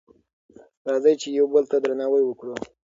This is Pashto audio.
راځئ چې یو بل ته درناوی وکړو.